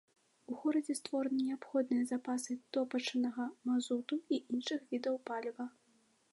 У горадзе створаны неабходныя запасы топачнага мазуту і іншых відаў паліва.